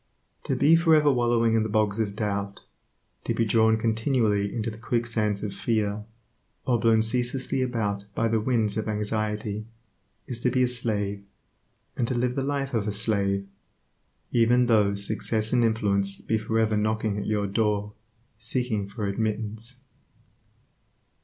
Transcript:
To be for ever wallowing in the bogs of doubt, to be drawn continually into the quicksands of fear, or blown ceaselessly about by the winds of anxiety, is to be a slave, and to live the life of a slave, even though success and influence be for ever knocking at your door seeking for admittance.